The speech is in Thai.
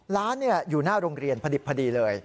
ร้านอยู่หน้าโรงเรียนพอดิบพอดีเลย